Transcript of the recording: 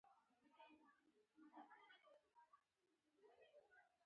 د لیک نښو مراعاتول لوستونکي ته ډېره ګټه لري.